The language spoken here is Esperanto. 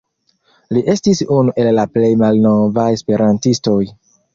Li estis unu el la plej malnovaj Esperantistoj.